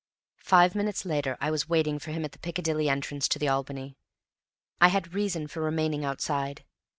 Five minutes later I was waiting for him at the Piccadilly entrance to the Albany. I had a reason for remaining outside.